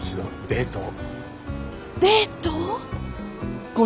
デート。